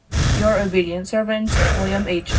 " Your obedient servant, "WM. H.